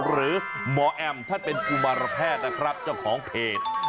หรือหมอแอมท่านเป็นกุมารแพทย์นะครับเจ้าของเพจ